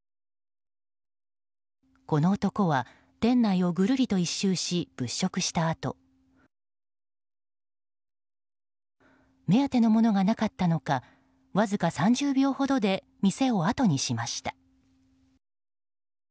この男は、店内をぐるりと一周し物色したあと目当てのものがなかったのかわずか３０秒ほどで店をあとにしました。